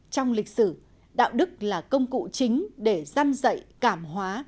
trong lịch sử đạo đức là công cụ chính để dăn dậy cảm hóa